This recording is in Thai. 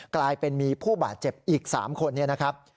กลายเป็นมีผู้บาดเจ็บอีก๓คนเนี่ยนะครับ